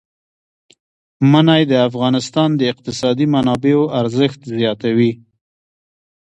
منی د افغانستان د اقتصادي منابعو ارزښت زیاتوي.